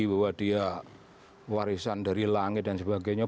bahwa dia warisan dari langit dan sebagainya